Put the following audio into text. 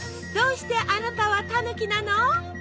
どうしてあなたはたぬきなの？